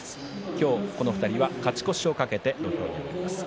今日この２人は勝ち越しを懸けて土俵に上がります。